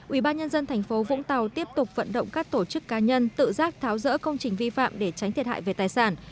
ubnd tp vũng tàu tiếp tục vận động các tổ chức cá nhân tự giác tháo rỡ công trình vi phạm để tránh thiệt hại về tài sản